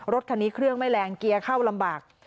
รถคันนี้เครื่องไม่แรงเกียร์เข้าลำบาก